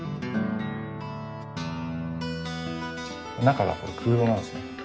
中がこれ空洞なんですね。